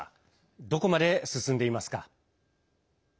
どこまで進んでいますか？